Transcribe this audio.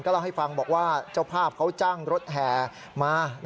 เล่าให้ฟังบอกว่าเจ้าภาพเขาจ้างรถแห่มา